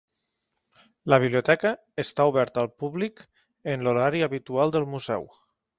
La biblioteca està oberta al públic en l'horari habitual del museu.